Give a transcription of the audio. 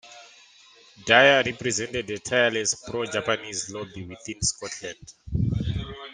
Dyer represented a tireless pro-Japanese lobby within Scotland.